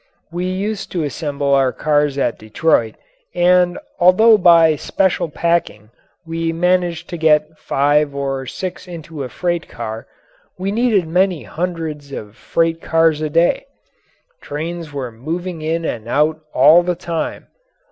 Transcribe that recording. We used to assemble our cars at Detroit, and although by special packing we managed to get five or six into a freight car, we needed many hundreds of freight cars a day. Trains were moving in and out all the time.